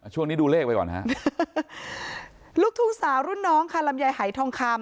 ช่วงนี้ดูเลขไปก่อนฮะลูกทุ่งสาวรุ่นน้องค่ะลำไยหายทองคำ